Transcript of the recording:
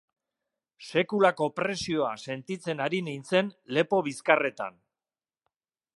Sekulako presioa sentitzen ari nintzen lepo--bizkarretan.